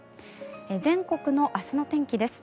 全国の明日の天気です。